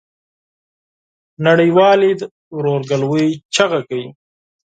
نړۍ والي ورورګلوی چیغه کوي.